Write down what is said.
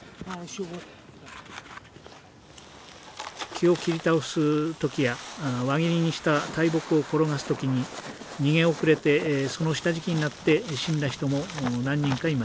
木を切り倒す時や輪切りにした大木を転がす時に逃げ遅れてその下敷きになって死んだ人も何人かいました。